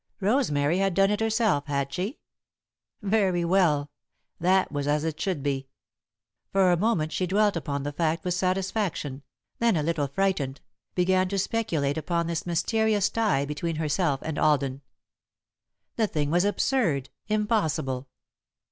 Rosemary had done it herself, had she? Very well that was as it should be. For a moment she dwelt upon the fact with satisfaction, then, a little frightened, began to speculate upon this mysterious tie between herself and Alden. The thing was absurd, impossible.